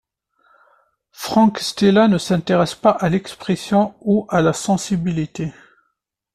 Frank Stella ne s'intéresse pas à l'expression ou à la sensibilité.